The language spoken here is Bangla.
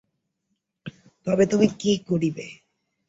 তবে তুমি কী করিবে?